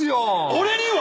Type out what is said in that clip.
俺には！？